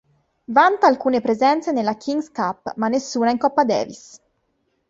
Vanta alcune presenze nella King’s Cup ma nessuna in Coppa Davis.